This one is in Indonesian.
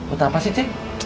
udah apa sih cik